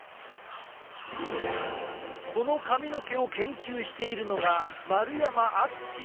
この髪の毛を研究しているのが丸山敦教授。